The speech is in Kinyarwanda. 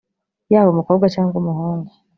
yaba umukobwa cyangwa umuhungu